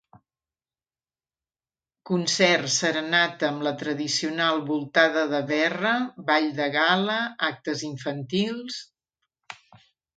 Concert, serenata amb la tradicional "voltada de verra", ball de gala, actes infantils...